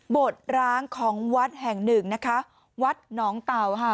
ตร้างของวัดแห่งหนึ่งนะคะวัดหนองเต่าค่ะ